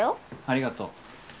ありがとう。